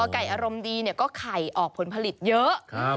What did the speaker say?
ไก่อารมณ์ดีก็ไข่ออกผลผลิตเยอะ